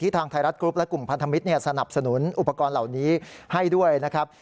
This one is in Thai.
ทางไทยรัฐกรุ๊ปและกลุ่มพันธมิตรสนับสนุนอุปกรณ์เหล่านี้ให้ด้วยนะครับ